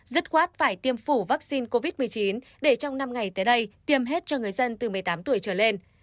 dứt khoát phải tiêm phủ vaccine covid một mươi chín để trong năm ngày tới đây tiêm hết cho người dân từ một mươi tám tuổi trở lên